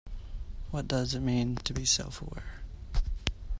What does it mean to be self-aware?